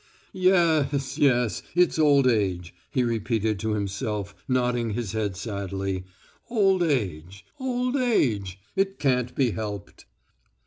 "Yes, yes, yes it's old age," he repeated to himself, nodding his head sadly.... "Old age, old age, old age.... It can't be helped...."